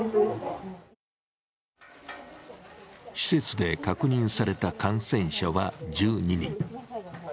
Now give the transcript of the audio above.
施設で確認された感染者は１２人。